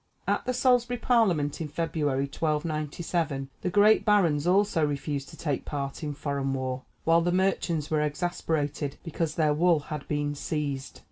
At the Salisbury parliament in February, 1297, the great barons also refused to take part in foreign war, while the merchants were exasperated because their wool had been seized.